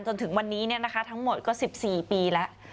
จนถึงวันนี้ทั้งหมดก็๑๔ปีแล้ว